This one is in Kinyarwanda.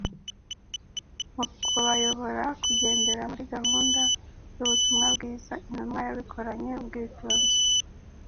mu kubayobora kugendera muri gahunda y’ubutumwa bwiza intumwa zabikoranye ubwitonzi.